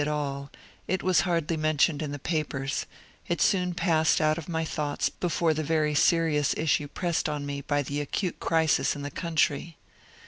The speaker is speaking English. D.) at all, and was hardly mentioned in the papers, it soon passed out of my thoughts before the very serious issue pressed on me by the acute crisis of the country.